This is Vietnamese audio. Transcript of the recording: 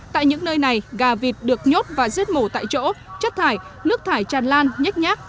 tại những nơi này gà vịt được nhốt và giết mổ tại chỗ chất thải nước thải tràn lan nhách nhác